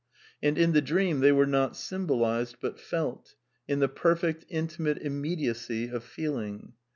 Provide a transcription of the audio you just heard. And in the dream they were not symbolized, but felt; in the perfect, intimate immediacy of feeling.